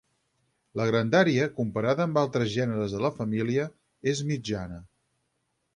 La grandària, comparada amb altres gèneres de la família, és mitjana.